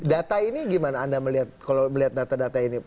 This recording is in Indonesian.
data ini gimana anda melihat kalau melihat data data ini